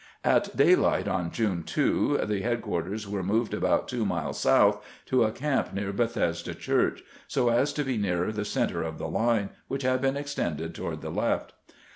At daylight on June 2 the headquarters were moved about two miles south to a camp near Bethesda Church, so as to be nearer the center of the line, which had been extended toward the left.